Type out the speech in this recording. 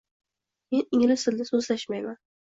Men ingliz tilida so’zlashmayman.